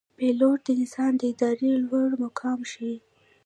پیلوټ د انسان د ارادې لوړ مقام ښيي.